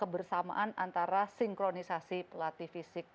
kebersamaan antara sinkronisasi pelatih fisik